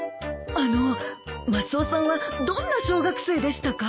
あのうマスオさんはどんな小学生でしたか？